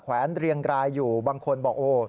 แวนเรียงรายอยู่บางคนบอกโอ้